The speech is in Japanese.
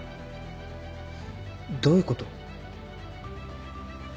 どういうこと？